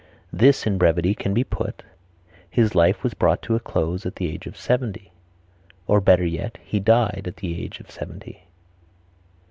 This in brevity can be put, "His life was brought to a close at the age of seventy;" or, better yet, "He died at the age of seventy."